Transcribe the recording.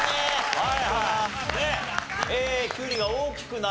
はい。